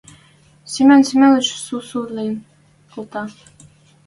Семен Семеныч сусу лин колта.